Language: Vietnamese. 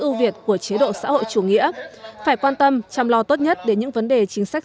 ưu việt của chế độ xã hội chủ nghĩa phải quan tâm chăm lo tốt nhất đến những vấn đề chính sách